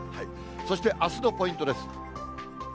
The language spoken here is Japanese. そしてあすのポイントです。